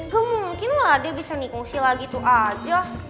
gue mungkin lah dia bisa nikungsi lagi tuh aja